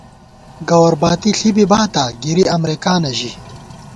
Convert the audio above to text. گوَر باتی ݪی بی باتا ، گِری امرېکانہ ژی